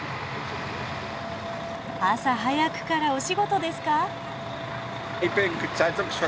朝早くからお仕事ですか？